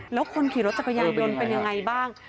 แล้วคนขี่รถจักรยานยนต์เป็นยังไงบ้าง